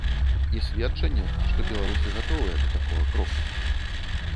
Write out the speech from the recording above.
І сведчанне, што беларусы гатовыя да такога кроку.